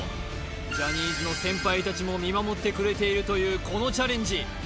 ジャニーズの先輩たちも見守ってくれているというこのチャレンジ